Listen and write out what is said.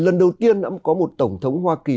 lần đầu tiên đã có một tổng thống hoa kỳ